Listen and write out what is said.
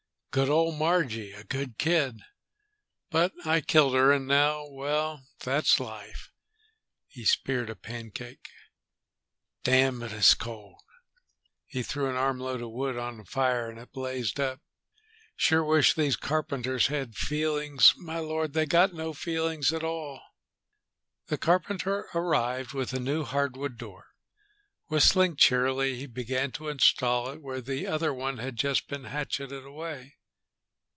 Good old Margie; a good kid, but I killed her. And now.... Well, that's life!" He speared a pancake. "Damn, but it's cold!" He threw an armload of wood on the fire and it blazed up. "Sure wish these carpenters had feelings. My lord, they got no feelings at all!" The carpenter arrived with a new hardwood door. Whistling cheerily, he began to install it where the other one had just been hatcheted away.